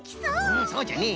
うんそうじゃねえ！